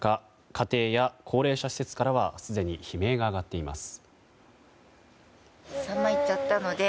家庭や高齢者施設からはすでに悲鳴が上がっています。